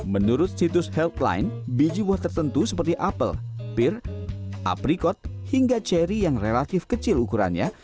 menurut situs healthline biji buah tertentu seperti apel pir aprikot hingga cherry yang relatif kecil ukurannya